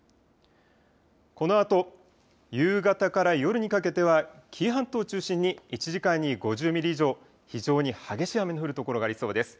このあと夕方から夜にかけては、紀伊半島を中心に１時間に５０ミリ以上、非常に激しい雨の降る所がありそうです。